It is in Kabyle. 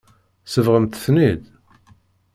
Tsebɣemt-ten-id.